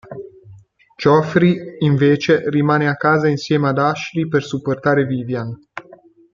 Geoffrey invece rimane a casa insieme ad Ashley per supportare Vivian.